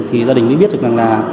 thì gia đình mới biết được rằng là